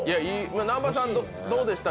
南波さん、どうでした。